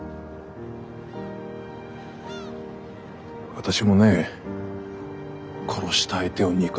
私もね殺した相手を憎んだよ。